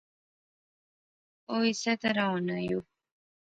او اسے طرح ہونا یو